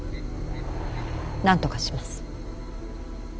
なんとかします。